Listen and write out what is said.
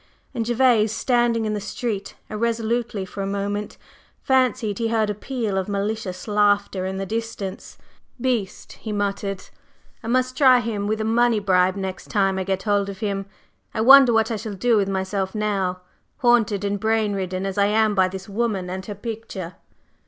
And Gervase, standing in the street irresolutely for a moment, fancied he heard a peal of malicious laughter in the distance. "Beast!" he muttered, "I must try him with a money bribe next time I get hold of him. I wonder what I shall do with myself now? haunted and brain ridden as I am by this woman and her picture?"